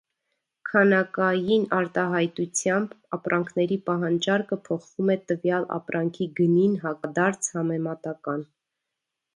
Քանակային արտահայտությամբ՝ ապրանքների պահանջարկը փոխվում է տվյալ ապրանքի գնին հակադարձ համեմատական։